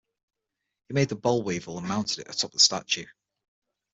He made the boll weevil and mounted it atop the statue.